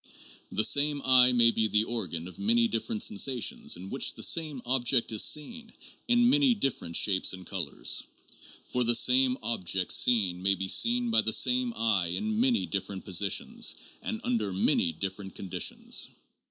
The same eye may be the organ of many different sensa tions in which the same object is seen in many different shapes and colors; for the same object seen may be seen by the same eye in many different positions and under many different conditions.